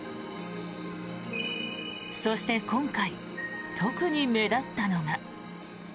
そして今回特に目立ったのが。